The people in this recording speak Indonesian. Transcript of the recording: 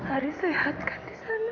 ari sehat kan disana